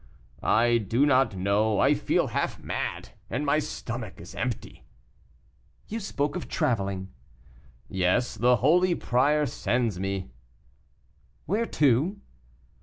"I do not know; I feel half mad, and my stomach is empty." "You spoke of traveling." "Yes, the holy prior sends me." "Where to?"